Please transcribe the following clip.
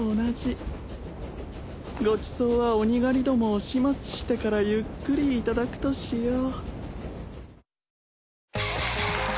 ごちそうは鬼狩りどもを始末してからゆっくり頂くとしよう。